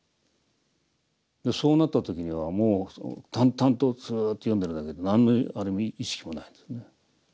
そうなった時にはもう淡々とスーッと読んでるだけで何の意識もないんですね。